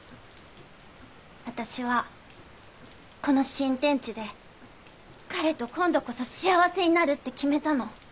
私はこの新天地で彼と今度こそ幸せになるって決めたの。